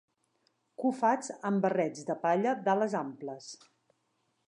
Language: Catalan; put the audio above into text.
Cofats amb barrets de palla d'ales amples